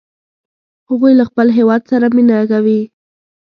هغوی له خپل هیواد سره مینه کوي